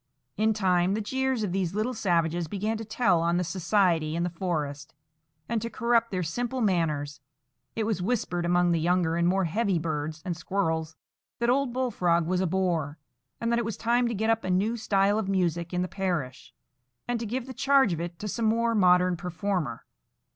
In time, the jeers of these little savages began to tell on the society in the forest, and to corrupt their simple manners; and it was whispered among the younger and more heavy birds and squirrels that old Bullfrog was a bore, and that it was time to get up a new style of music in the parish, and to give the charge of it to some more modern performer.